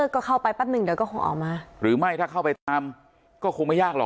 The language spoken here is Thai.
ก็เข้าไปแป๊บหนึ่งเดี๋ยวก็คงออกมาหรือไม่ถ้าเข้าไปตามก็คงไม่ยากหรอก